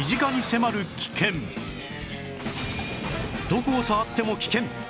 どこを触っても危険！